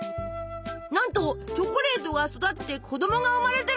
なんとチョコレートが育って子供が生まれてる！